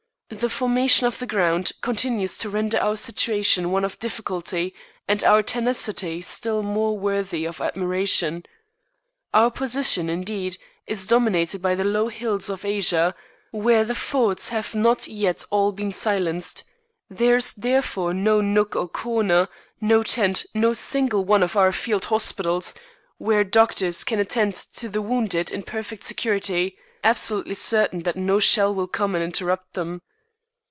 The formation of the ground continues to render our situation one of difficulty and our tenacity still more worthy of admiration. Our position, indeed, is dominated by the low hills of Asia, where the forts have not yet all been silenced; there is therefore no nook or corner, no tent, no single one of our field hospitals, where doctors can attend to the wounded in perfect security, absolutely certain that no shell will come and interrupt them.